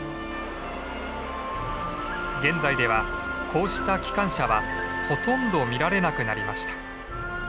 現在ではこうした機関車はほとんど見られなくなりました。